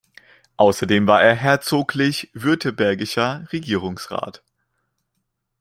Außerdem war er herzoglich württembergischer Regierungsrat.